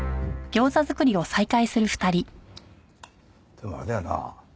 でもあれだよな。